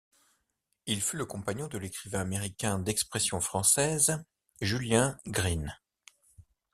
Il fut le compagnon de l'écrivain américain d'expression française Julien Green.